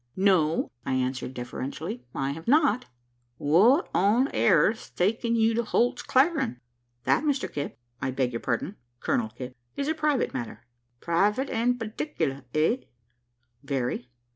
"No," I answered deferentially, "I have not." "What on airth's takin' you to Holt's Clearin'?" "That, Mr Kipp I beg pardon Colonel Kipp is a private matter." "Private and particular, eh?" "Very."